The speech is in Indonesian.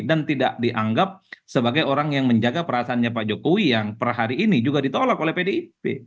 dan tidak dianggap sebagai orang yang menjaga perasaannya pak jokowi yang per hari ini juga ditolak oleh pdip